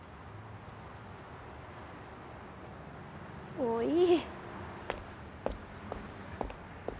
もういい。